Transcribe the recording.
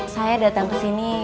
saya datang kesini